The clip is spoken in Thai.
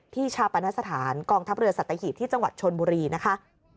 ชาปณสถานกองทัพเรือสัตหีบที่จังหวัดชนบุรีนะคะ